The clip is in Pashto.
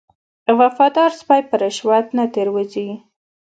وفادار سپی په رشوت نه تیر وځي.